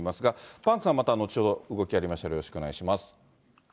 パンクさん、また後ほど、動きありましたらよろしくお願いします。